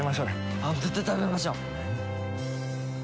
あっ絶対食べましょう！